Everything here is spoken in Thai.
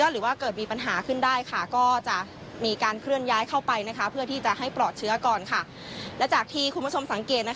แล้วจากที่คุณผู้ชมสังเกต